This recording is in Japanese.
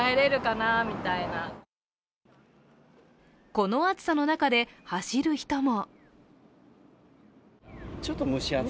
この暑さの中で走る人も。